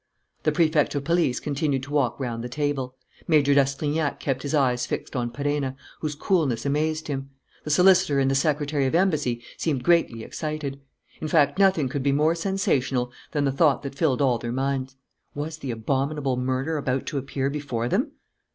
The Prefect of Police continued to walk round the table. Major d'Astrignac kept his eyes fixed on Perenna, whose coolness amazed him. The solicitor and the secretary of Embassy seemed greatly excited. In fact nothing could be more sensational than the thought that filled all their minds. Was the abominable murderer about to appear before them?